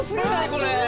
これ。